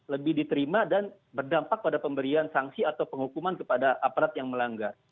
lebih diterima dan berdampak pada pemberian sanksi atau penghukuman kepada aparat yang melanggar